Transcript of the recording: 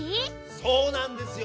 そうなんですよ！